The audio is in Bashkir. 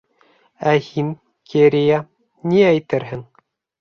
Ә һин, Керея, ни әйтерһең?